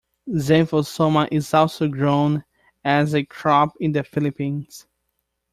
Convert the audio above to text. "Xanthosoma" is also grown as a crop in the Philippines.